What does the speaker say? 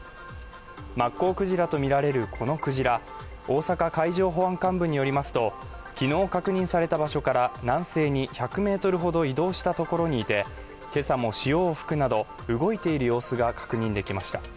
マッコウクジラと見られるこのクジラ大阪海上保安監部によりますと昨日確認された場所から南西に１００ｍほど移動したところにいて今朝も潮を吹くなど動いている様子が確認できました